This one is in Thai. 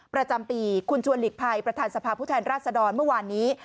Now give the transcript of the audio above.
ประจำปีคุณชวนหลีกภัยประธานสภาพผู้แทนราชดรเมื่อวานนี้